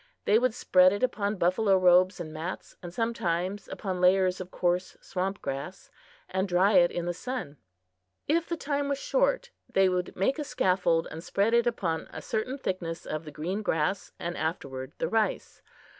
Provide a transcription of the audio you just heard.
They would spread it upon buffalo robes and mats, and sometimes upon layers of coarse swamp grass, and dry it in the sun. If the time was short, they would make a scaffold and spread upon it a certain thickness of the green grass and afterward the rice.